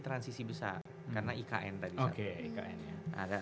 transisi besar karena ikn tadi